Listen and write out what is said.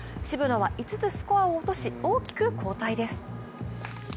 渋野は５つスコアを落とし大きく後退です。